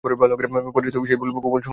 পরে সেই ভুল গুগল সংশোধন করেছে।